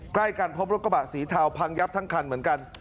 ใกล้กันพบรถกระบะสีเทาพังยับทั้งคันเหมือนกัน